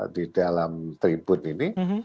di dalam tribun ini